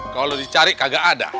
kalau dicari kagak ada